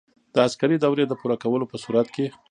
د عسکري دورې د پوره کولو په صورت کې.